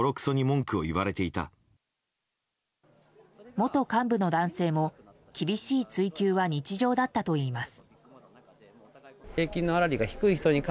元幹部の男性も厳しい追及は日常だったといいます。